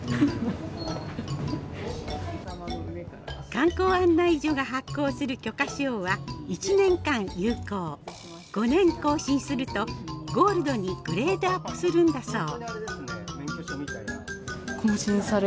観光案内所が発行する５年更新するとゴールドにグレードアップするんだそう。